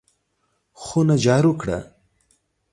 خونه جارو کړه!